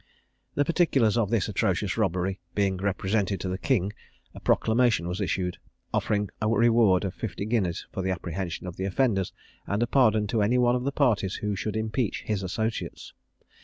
The particulars of this atrocious robbery being represented to the king a proclamation was issued, offering a reward of fifty guineas for the apprehension of the offenders, and a pardon to any one of the parties who should impeach his associates.